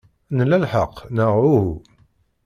Nla lḥeqq, neɣ uhu?